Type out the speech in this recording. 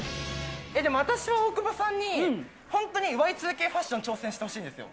でも私は大久保さんに、本当にＹ２Ｋファッション、挑戦してほしいんですよ。